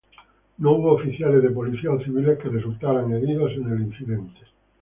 No hubo oficiales de policía o civiles que resultaran heridos en el incidente.